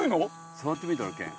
触ってみたら健。